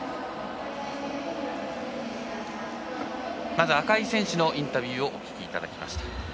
まず赤井選手のインタビューをお聞きいただきました。